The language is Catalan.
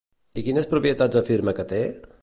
I quines propietats afirma que té?